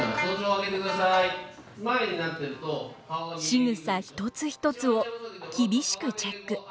しぐさ一つ一つを厳しくチェック。